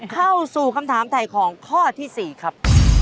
เข้าสู่คำถามถ่ายของข้อที่๔ครับ